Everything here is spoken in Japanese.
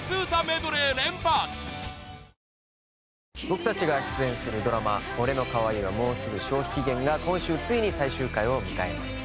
僕たちが出演するドラマ『俺の可愛いはもうすぐ消費期限！？』が今週ついに最終回を迎えます。